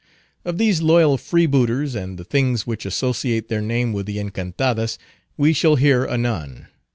Of these loyal freebooters and the things which associate their name with the Encantadas, we shall hear anon.